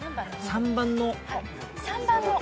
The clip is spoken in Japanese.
３番の！？